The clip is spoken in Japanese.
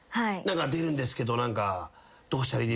「出るんですけどどうしたらいいですかね」とか。